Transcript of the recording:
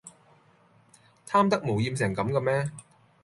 貪得無厭成咁㗎咩